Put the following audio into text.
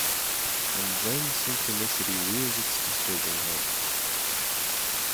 And then synchronicity rears its disturbing head.